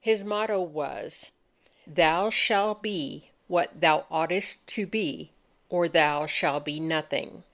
His motto was: _Thou shall be what thou oughtest to be, Or thou shall be nothing.